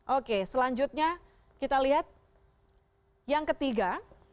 oke selanjutnya kita lihat yang ketiga